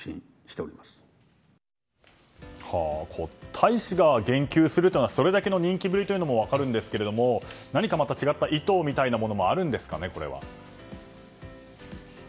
大使が言及するというのはそれだけの人気ぶりが分かるんですが何か、また違った意図もあるんですかね、これは。